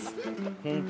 本当。